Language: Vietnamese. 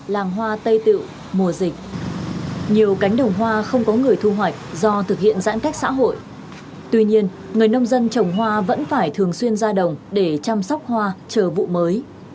làng hoa tây tự mùa dịch nhiều cánh đồng hoa không có người thu hoạch do thực hiện giãn cách xã hội tuy nhiên người nông dân trồng hoa vẫn phải thường xuyên ra đồng để chăm sóc hoa chờ vụ mới